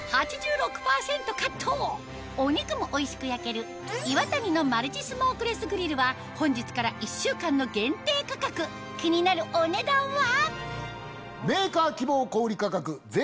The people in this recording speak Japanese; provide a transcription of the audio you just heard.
お肉もおいしく焼けるイワタニのマルチスモークレスグリルは本日から１週間の限定価格気になるお値段は？